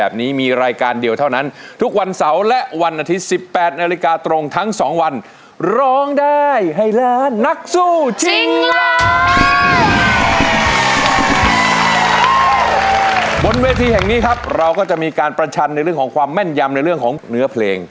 บนเวทีแห่งนี้ครับเราก็จะมีการประชันในเรื่องของความแม่นยำในเรื่องของเนื้อเพลง